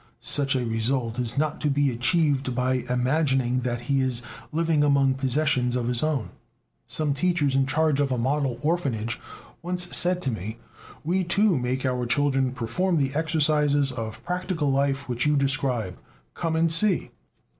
Such a result is not to be achieved by imagining that he is living among possessions of his own. Some teachers in charge of a model orphanage once said to me: "We too make our children perform the exercises of practical life which you describe; come and see."